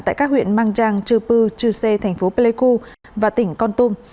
tại các huyện mang trang chư pư chư sê thành phố pleiku và tỉnh con tum